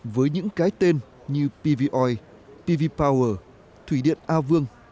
với những cái tên như pv oil pv power thủy điện a vương